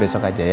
besok aja ya